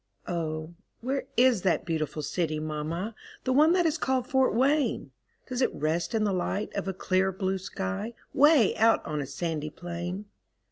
Oh, where is that beautiful city, mamma, The one that is called Fort Wayne? Does it rest in the light of a clear blue sky, 'Way out on a sandy plain?